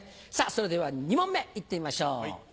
それでは２問目いってみましょう。